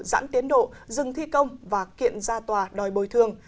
giãn tiến độ dừng thi công và kiện ra tòa đòi bồi thường